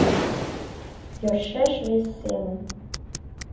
— Йӧршеш вес семын!